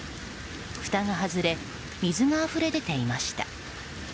ふたが外れ水があふれ出ていました。